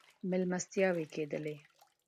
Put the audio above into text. مېلمستیاوې کېدلې.